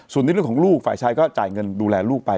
ส่วนในเรื่องของลูกฝ่ายชายก็จ่ายเงินดูแลลูกไป